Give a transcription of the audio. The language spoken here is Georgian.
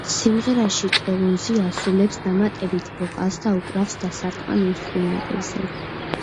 სიმღერაში კოლინზი ასრულებს დამატებით ვოკალს და უკრავს დასარტყამ ინსტრუმენტებზე.